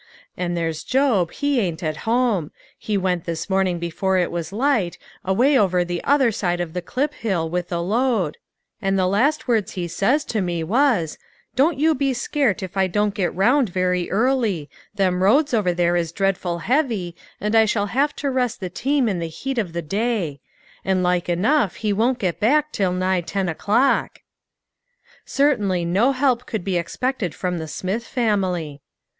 And there's Job, he ain't at home ; he went this morning before it was light, away over the other side of the clip hill with a load, and the last words he says to me was: 'Don't you be scairt if I don't get round very early ; them roads over there is dreadful heavy, and I shall have to rest the team in the heat of the day,' and like enough he won't get back till nigh ten o'clock." Certainly no help could be expected from the Smith family.